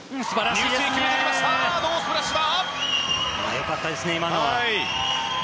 良かったですね、今のは。